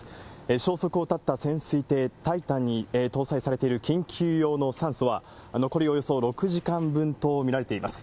消息を絶った潜水艇、タイタンに搭載されている緊急用の酸素は、残りおよそ６時間分と見られています。